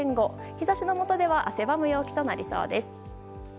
日差しのもとでは汗ばむような陽気となりそうです。